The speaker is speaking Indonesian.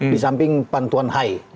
di samping pantuan hai